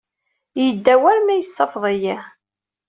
Yedda war ma yessafeḍ-iyi.